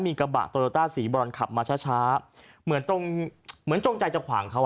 มีกระบะโตโยต้าสีบรอนขับมาช้าช้าเหมือนตรงเหมือนจงใจจะขวางเขาอ่ะ